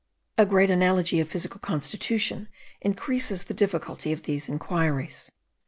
A great analogy of physical constitution increases the difficulty of these inquiries.